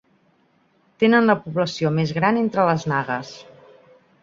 Tenen la població més gran entre les nagues.